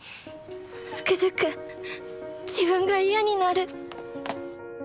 つくづく自分が嫌になる